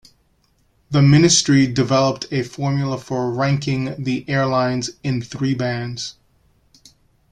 The ministry developed a formula for ranking the airlines in three bands.